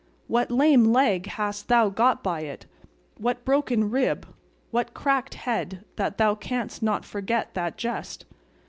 What lame leg hast thou got by it, what broken rib, what cracked head, that thou canst not forget that jest?